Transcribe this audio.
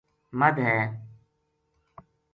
مدھ ہے